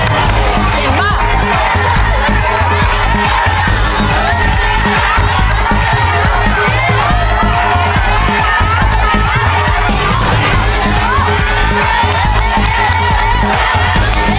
ก็ขอบคุณครับ